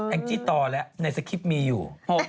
แอ้งจิตอแล้วในสกิปมีอยู่